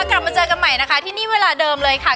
กลับมาเจอกันใหม่นะคะที่นี่เวลาเดิมเลยค่ะ